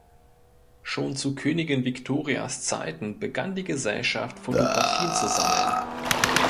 Schon zu Königin Victorias Zeiten begann die Gesellschaft, Fotografien zu sammeln.